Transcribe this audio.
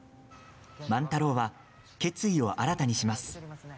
万太郎は、決意を新たにします。